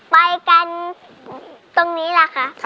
ไปกันตรงนี้แหละค่ะ